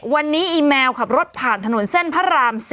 วันนี้อีแมวขับรถผ่านถนนเส้นพระราม๔